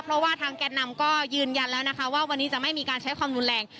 เพราะว่าทางแก่นำก็ยืนยันแล้วนะคะว่าวันนี้จะไม่มีการใช้ความรุนแรง